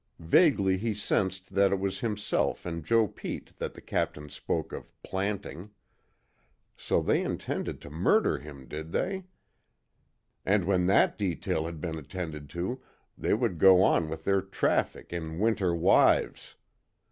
Vaguely he sensed that it was himself and Joe Pete that the Captain spoke of "planting." So they intended to murder him, did they? And, when that detail had been attended to, they would go on with their traffic in "winter wives."